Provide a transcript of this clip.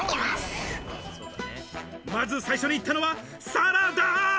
まず最初に行ったのはサラダ！